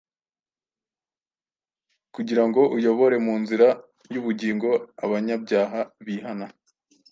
kugira ngo uyobore mu nzira y’ubugingo abanyabyaha bihana.